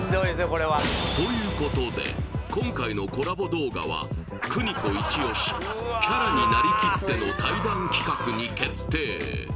これはということで今回のコラボ動画は邦子イチオシキャラになりきっての対談企画に決定